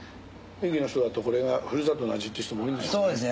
壱岐の人だとこれがふるさとの味っていう人も多いんでしょうね。